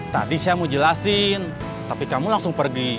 tadi saya mau jelasin tapi kamu langsung pergi